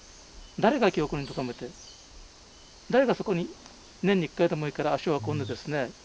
誰が記憶にとどめて誰がそこに年に一回でもいいから足を運んでですね